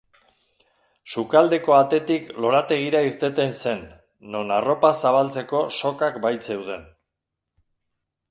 Sukaldeko atetik lorategira irteten zen, non arropa zabaltzeko sokak baitzeuden.